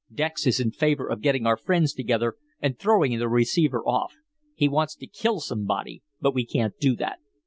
Dex is in favor of getting our friends together and throwing the receiver off. He wants to kill somebody, but we can't do that.